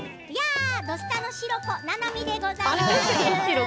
「土スタ」のチロコななみでございます。